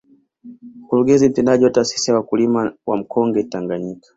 Mkurugenzi Mtendaji wa taasisi ya wakulima wa mkonge Tanganyika